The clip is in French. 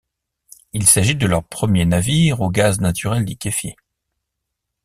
Il s'agit de leur premier navire au gaz naturel liquéfié.